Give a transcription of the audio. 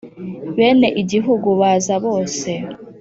Bene igihugu baza bose